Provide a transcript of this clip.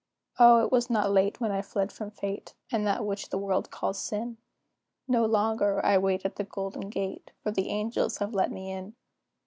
O, it was not late when I fled from fate, And that which the world calls sin; No longer "I wait at the golden gate," For the angels have let me in.